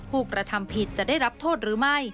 ผู้กระทำผิดจะได้รับโทษหรือไม่